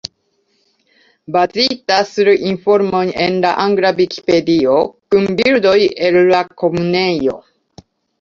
Bazita sur informoj en la angla Vikipedio, kun bildoj el la Komunejo.